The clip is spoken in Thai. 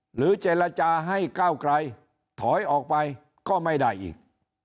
หรือเจรจาให้ก้าวไกลถอยออกไปก็ไม่ได้อีก